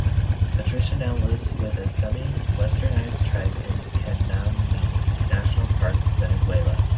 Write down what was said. Patricia now lives with a semi-Westernised tribe in Canaima National Park, Venezuela.